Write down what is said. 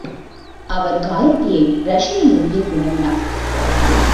அவர் காரோட்டியை இரஷ்ய மொழியில் வினவினார்.